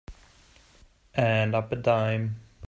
And up a dime.